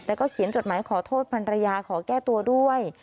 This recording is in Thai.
แล้วก็เขียนจดหมายขอโทษพันรยาขอแก้ตัวด้วย